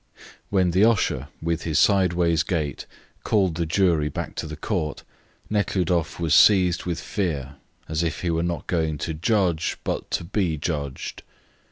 When the usher, with his sideways gait, called the jury back to the Court, Nekhludoff was seized with fear, as if he were not going to judge, but to be judged.